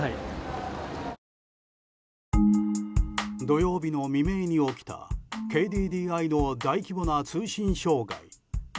土曜日の未明に起きたＫＤＤＩの大規模な通信障害。